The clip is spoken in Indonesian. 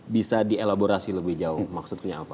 bisa dielaborasi lebih jauh maksudnya apa